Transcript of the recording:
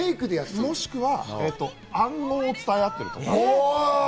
もしくは暗号を伝え合ってる。